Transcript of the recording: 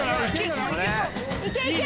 いけいけ！